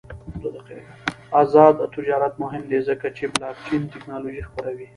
آزاد تجارت مهم دی ځکه چې بلاکچین تکنالوژي خپروي.